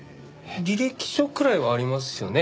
履歴書くらいはありますよね？